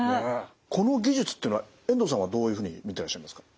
この技術っていうのは遠藤さんはどういうふうに見てらっしゃいますか？